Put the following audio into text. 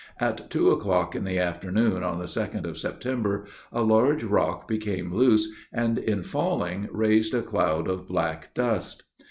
At two o'clock in the afternoon, on the 2d of September, a large rock became loose, and in falling, raised a cloud of black dust.